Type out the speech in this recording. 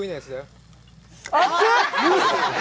熱っ！